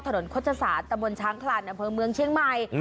โฆษศาสตร์ตะบนช้างคลานอำเภอเมืองเชียงใหม่